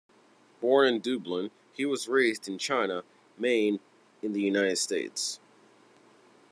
Born in Dublin, he was raised in China, Maine in the United States.